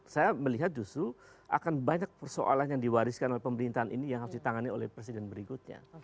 saya melihat justru akan banyak persoalan yang diwariskan oleh pemerintahan ini yang harus ditangani oleh presiden berikutnya